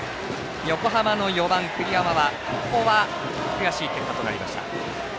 横浜の４番、栗山ここは悔しい結果となりました。